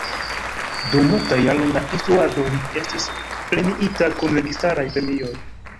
Dum multaj jaroj da instruado li estis premiita kun registaraj premioj.